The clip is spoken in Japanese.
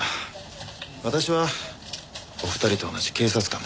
私はお二人と同じ警察官です。